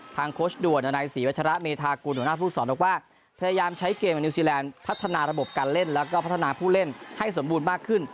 โค้ชด่วนในศรีวัชระเมธากุลหัวหน้าผู้สอนบอกว่าพยายามใช้เกมกับนิวซีแลนด์พัฒนาระบบการเล่นแล้วก็พัฒนาผู้เล่นให้สมบูรณ์มากขึ้น